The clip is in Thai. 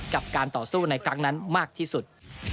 กับการต่อสู้ในครั้งนั้นมากที่สุด